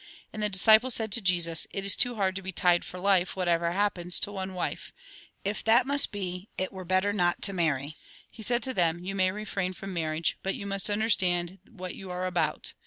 And the disciples said to Jesus :" It is too hard to be tied for life, whatever happens, to one wife. If that must be, it were better not to marry.'' He said to them :" You may refrain from marriage, but you must understand what you are about.